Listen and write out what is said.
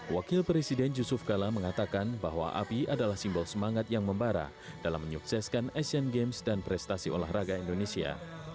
wakil presiden yusuf kala mengatakan bahwa api adalah simbol semangat yang membara dalam menyukseskan asian games dan prestasi olahraga indonesia